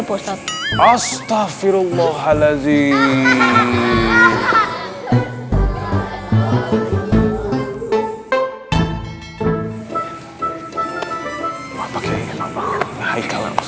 pak ustadz haikal haikal